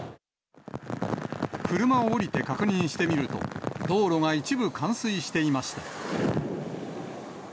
車を降りて確認してみると、道路が一部冠水していました。